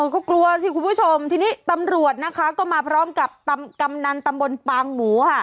ก็กลัวสิคุณผู้ชมทีนี้ตำรวจนะคะก็มาพร้อมกับกำนันตำบลปางหมูค่ะ